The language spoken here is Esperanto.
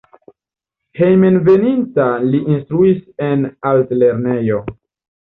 Hejmenveninta li instruis en Altlernejo.